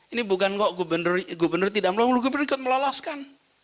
ini bukan kok gubernur tidak melolos gubernur ikut meloloskan